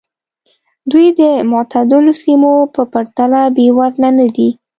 دوی د معتدلو سیمو په پرتله بېوزله نه دي.